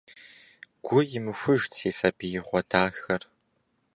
Гу имыхужт си сабиигъуэ дахэр!